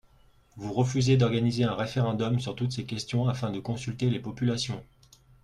Vous refusez d’organiser un référendum sur toutes ces questions afin de consulter les populations.